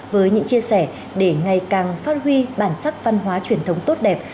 với những chia sẻ để ngày càng phát huy bản sắc văn hóa truyền thống tốt đẹp